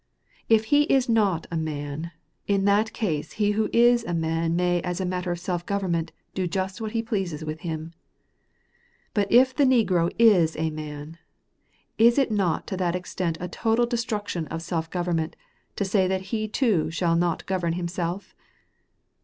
If he is not a man, in that case he who is a man may as a matter of self government do just what he pleases with him. But if the negro is a man, is it not to that extent a total destruction of self government to say that he too shall not govern himself?